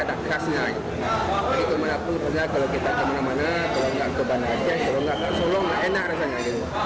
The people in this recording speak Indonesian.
jadi kemana karena kalau kita kemana mana kalau nggak ke bandar aceh kalau nggak solong enak rasanya